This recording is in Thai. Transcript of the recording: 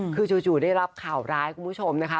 คือจู่ได้รับข่าวร้ายคุณผู้ชมนะคะ